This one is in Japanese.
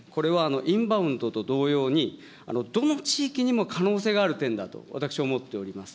重要なのは、これはインバウンドと同様に、どの地域にも可能性がある点だと、私思っております。